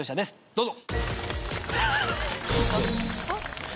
どうぞ。